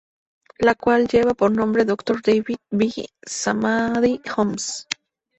La cual lleva por nombre Doctor David B. Samadi-Homs.